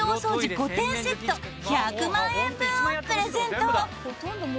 ５点セット１００万円分をプレゼント！